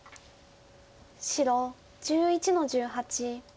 白１１の十八。